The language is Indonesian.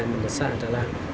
dan yang besar adalah